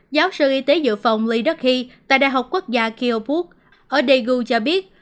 giáo sư y tế dự phòng lee ruckie tại đại học quốc gia kiyobu ở daegu cho biết